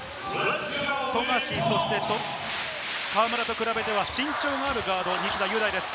富樫、そして河村と比べては身長があるガード、西田優大です。